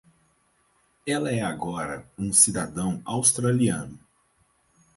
Ela é agora um cidadão australiano.